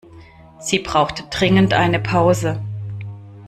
Sie braucht dringend eine Pause.